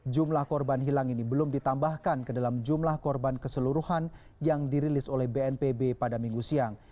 jumlah korban hilang ini belum ditambahkan ke dalam jumlah korban keseluruhan yang dirilis oleh bnpb pada minggu siang